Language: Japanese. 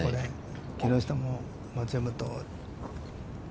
木下も、松山と。